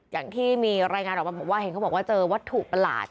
อย่างที่มีรายงานออกมาบอกว่าเห็นเขาบอกว่าเจอวัตถุประหลาด